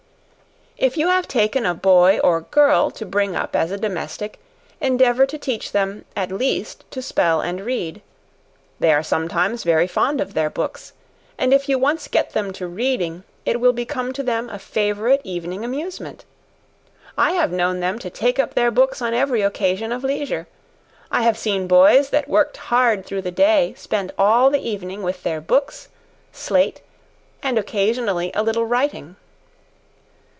If you have taken a boy or girl, to bring up as a domestic, endeavour to teach them, at least to spell and read; they are sometimes very fond of their books, and if you once get them to reading, it will become to them a favorite evening amusement; I have known them take up their books on every occasion of leisure, I have seen boys that worked hard through the day, spend all the evening with their books, slate, and occasionally a little writing.